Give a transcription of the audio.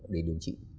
để điều trị